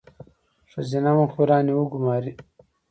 ښځینه مخبرانې وګوماري.